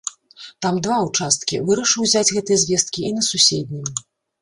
Там два ўчасткі, вырашыў узяць гэтыя звесткі і на суседнім.